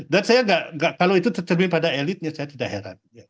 dan saya tidak kalau itu terbiasa pada elitnya saya tidak heran